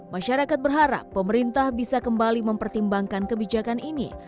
masyarakat berharap pemerintah bisa kembali mempertimbangkan kebijakan ini